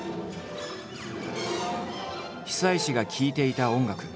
久石が聴いていた音楽